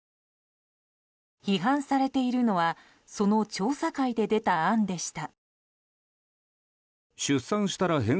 批判されているのはその調査会で出た案でした。